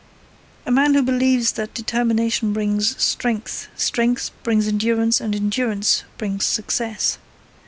A man who believes that determination brings strength, strength brings endurance, and endurance brings success.